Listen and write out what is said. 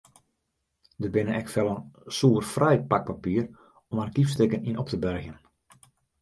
Der binne ek fellen soerfrij pakpapier om argyfstikken yn op te bergjen.